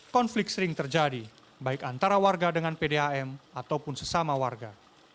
konflik sering terjadi baik antara warga dengan pdam ataupun sesama warga